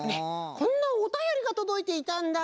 こんなおたよりがとどいていたんだ。